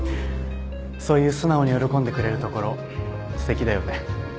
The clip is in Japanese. そういう素直に喜んでくれるところすてきだよね。